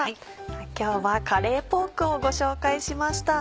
今日は「カレーポーク」をご紹介しました。